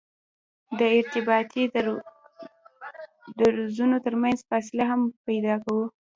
د ارتباطي درزونو ترمنځ فاصله هم پیدا کوو